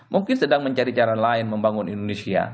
mungkin sedang mencari cara lain membangun indonesia